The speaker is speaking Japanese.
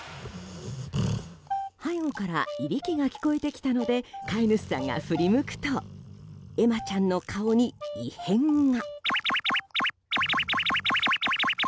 背後からいびきが聞こえてきたので飼い主さんが振り向くとエマちゃんの顔に異変が。